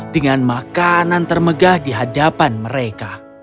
dengan makanan termegah di hadapan mereka